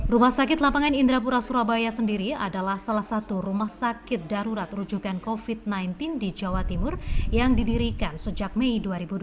rumah sakit lapangan indrapura surabaya sendiri adalah salah satu rumah sakit darurat rujukan covid sembilan belas di jawa timur yang didirikan sejak mei dua ribu dua puluh